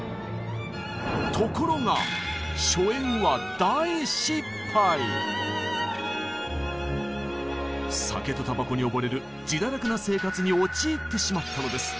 ところが酒とたばこに溺れる自堕落な生活に陥ってしまったのです。